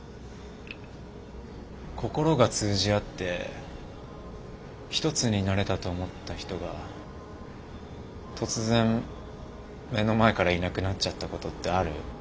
心が通じ合って一つになれたと思った人が突然目の前からいなくなっちゃったことってある？